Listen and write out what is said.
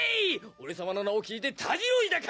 俺様の名を聞いてたじろいだか！